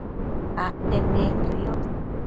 Acte bëenquio yoc